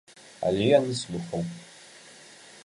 Але ён не слухаў.